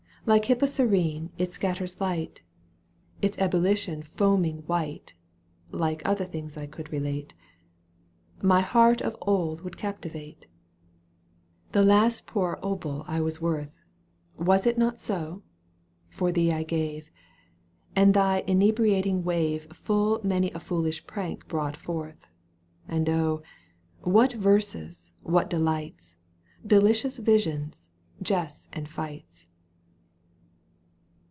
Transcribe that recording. like Hippocrene it scatters light, Its ebullition foaming white (like other things I could relate) My heart of old would captivate. The last poor obol I was worth — Was it not so ?— ^for thee I gave, And thy inebriating wave Full many a foolish prank brought forth ; And oh ! what verses, what delights, Delicious visions, jests and fights